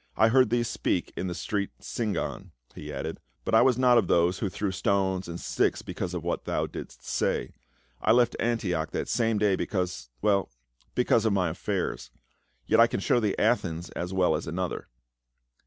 " I heard thee speak in the street Singon," he added, "but I was not of those who threw stones and sticks because of what thou didst say ; I left Antioch that same day because — well, because of my affairs. Yet I can show thee Athens as well as another."